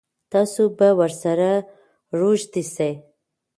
تاسو به ورسره روږدي سئ.